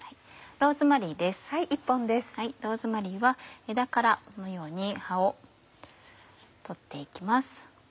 ローズマリーは枝からこのように葉を取って行きます。